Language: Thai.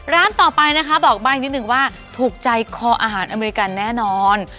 ร้านต่อไปนะคะบอกบ้างนิดนึงว่าถูกใจคออาหารอเมริกันแน่นอน